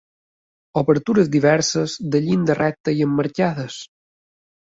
Obertures diverses de llinda recta i emmarcades.